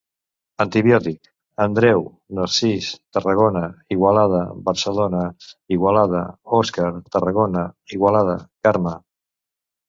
Antibiòtic: Andreu, Narcís, Tarragona, Igualada, Barcelona, Igualada, Òscar, Tarragona, Igualada, Carme.